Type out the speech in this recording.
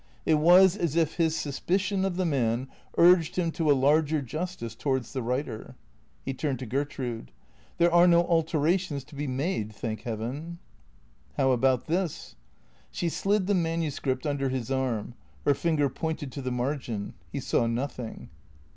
It was as if his suspicion of the man urged him to a larger justice towards the writer. He turned to Gertrude. " There are no alterations to be made, thank heaven "" How about this ?" She slid the manuscript under his arm; her finger pointed to the margin. He saw nothing.